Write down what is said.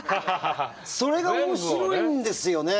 それが面白いんですよね。